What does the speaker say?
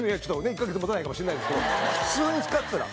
１カ月持たないかもしれないんですけど普通に使ってたら。